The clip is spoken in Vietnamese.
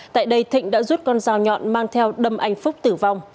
tại đây thịnh đã rút con dao nhọn mang theo đâm anh phúc tử vong